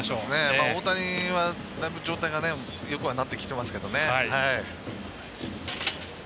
大谷はだいぶ状態がよくなってきていますけどね。